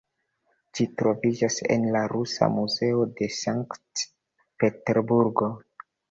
Ĝi troviĝas en la Rusa Muzeo de Sankt-Peterburgo.